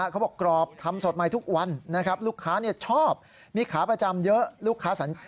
เขาบอกกรอบทำสดใหม่ทุกวันนะครับลูกค้าชอบมีขาประจำเยอะลูกค้าสัญจร